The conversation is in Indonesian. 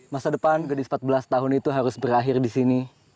masa depan gadis empat belas tahun itu harus berakhir di sini